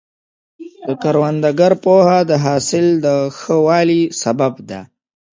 د کروندګر پوهه د حاصل د ښه والي سبب ده.